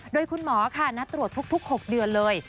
โดยคุณหมอค่ะนัดตรวจทุก๖เดือนเลย